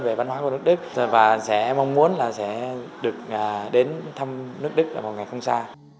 về văn hóa của đức đức và sẽ mong muốn là sẽ được đến thăm nước đức vào ngày không xa